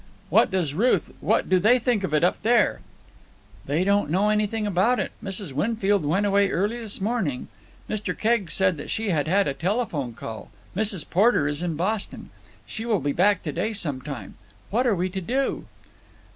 "What does Ruth—what do they think of it—up there?" "They don't know anything about it. Mrs. Winfield went away early this morning. Mr. Keggs said she had had a telephone call, Mrs. Porter is in Boston. She will be back to day some time. What are we to do?"